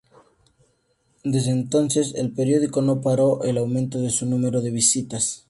Desde entonces, el periódico no paró el aumento de su número de visitas.